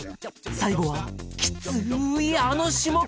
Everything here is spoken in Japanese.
最後はきついあの種目！